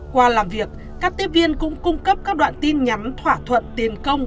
qua làm việc các tiếp viên cũng cung cấp các đoạn tin nhắn thỏa thuận tiền công